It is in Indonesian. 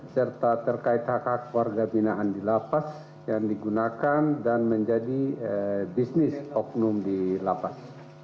serta terkait hak hak warga binaan di lapas yang digunakan dan menjadi bisnis oknum di lapas